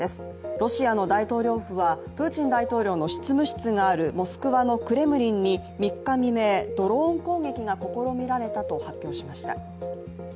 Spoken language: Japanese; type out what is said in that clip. ロシアの大統領府はプーチン大統領の執務室があるモスクワのクレムリンに、３日未明ドローン攻撃が試みられたと発表しました。